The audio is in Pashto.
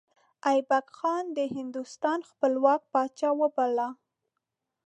ایبک ځان د هندوستان خپلواک پاچا وباله.